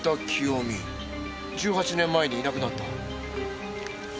１８年前にいなくなった？